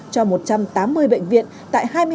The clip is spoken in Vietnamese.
cho một trăm tám mươi bệnh viện tại hai mươi hai